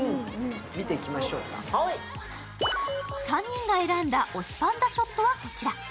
３人が選んだ推しパンダショットはこちら。